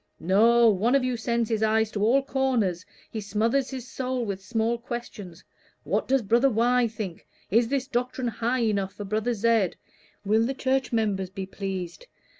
No; one of you sends his eyes to all corners, he smothers his soul with small questions, 'What does brother Y. think?' 'Is this doctrine high enough for brother Z.?' 'Will the church members be pleased?'